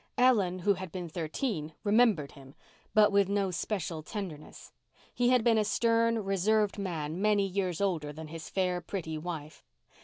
Ellen, who had been thirteen, remembered him, but with no special tenderness. He had been a stern, reserved man many years older than his fair, pretty wife.